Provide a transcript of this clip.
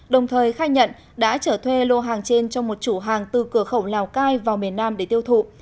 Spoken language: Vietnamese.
đồng thời khai nhận đã trở thuê lô hàng trên trong một chủ hàng từ cửa khẩu lào cai vào miền nam để tiêu thụ